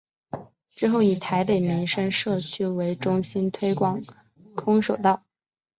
之后以台北民生社区为中心推广空手道。